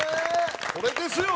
これですよ！